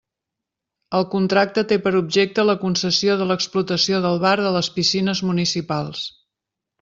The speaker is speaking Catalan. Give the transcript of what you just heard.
El contracte té per objecte la concessió de l'explotació del bar de les piscines municipals.